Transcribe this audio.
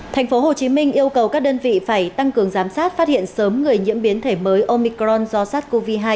tp hcm yêu cầu các đơn vị phải tăng cường giám sát phát hiện sớm người nhiễm biến thể mới omicron do sars cov hai